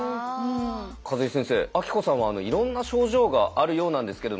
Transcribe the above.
數井先生あきこさんはいろんな症状があるようなんですけれども。